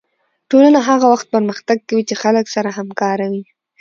ټولنه هغه وخت پرمختګ کوي چې خلک سره همکاره وي